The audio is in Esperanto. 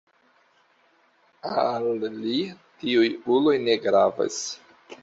Al li tiuj uloj ne gravas.